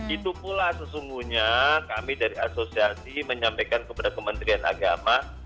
itu pula sesungguhnya kami dari asosiasi menyampaikan kepada kementerian agama